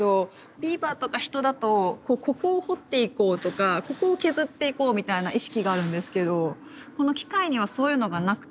ビーバーとか人だとここを彫っていこうとかここを削っていこうみたいな意識があるんですけどこの機械にはそういうのがなくて。